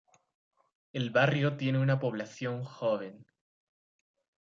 El barrio tiene una población joven.